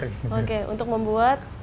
oke untuk membuat